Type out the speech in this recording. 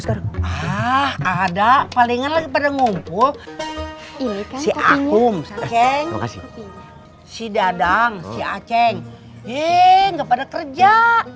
sekarang ada palingan lagi pada ngumpul si akum si dadang si aceh enggak pada kerja